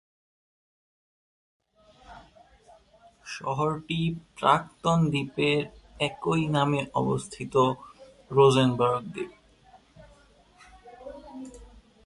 শহরটি প্রাক্তন দ্বীপের একই নামে অবস্থিত: রোজেনবার্গ দ্বীপ।